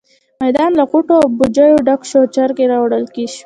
میدان له غوټو او بوجيو ډک شو او چرګې راوړل شوې.